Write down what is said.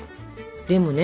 でもね